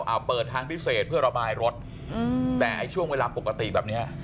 เอาเปิดทางพิเศษเพื่อระบายรถอืมแต่ไอ้ช่วงเวลาปกติแบบเนี้ย